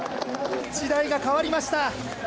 時代が変わりました。